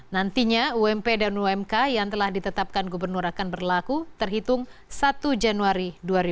nantinya ump dan umk yang telah ditetapkan gubernur akan berlaku terhitung satu januari dua ribu dua puluh